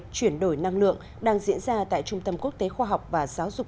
chuyển đổi năng lượng đang diễn ra tại trung tâm quốc tế khoa học và giáo dục